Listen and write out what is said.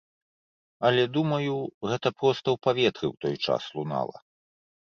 Але думаю, гэта проста ў паветры ў той час лунала.